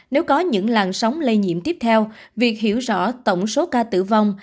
nếu có những làn sóng lây nhiễm tiếp theo việc hiểu rõ tổng số ca tử vong